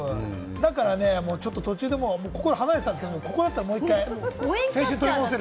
だからね、途中で心離れてたんですけれども、ここだったらもう１回、青春取り戻せる。